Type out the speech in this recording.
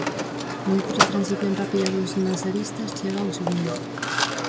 Noutra transición rápida dos nasaritas chega o segundo.